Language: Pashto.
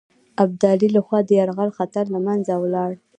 ابدالي له خوا د یرغل خطر له منځه ولاړ.